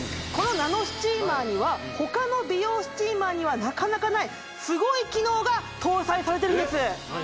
このナノスチーマーには他の美容スチーマーにはなかなかないスゴい機能が搭載されてるんです